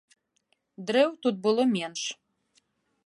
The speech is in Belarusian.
Дрэў тут было менш.